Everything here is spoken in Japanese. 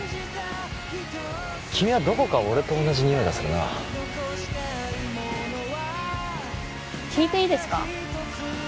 君はどこか俺と同じにおいがするな聞いていいですか？